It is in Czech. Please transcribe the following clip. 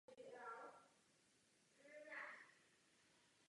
O jejím osudu se psaly legendy a dramata.